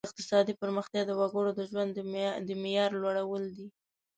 اقتصادي پرمختیا د وګړو د ژوند د معیار لوړول دي.